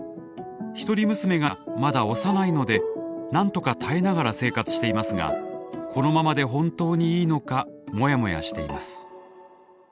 一人娘がまだ幼いのでなんとか耐えながら生活していますがこのままで本当にいいのかモヤモヤしています。